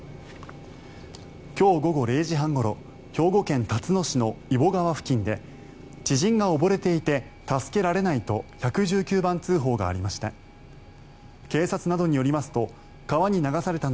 今日午後０時半ごろ兵庫県たつの市の揖保川付近で知人が溺れていて助けられないと１１９番通報がありました。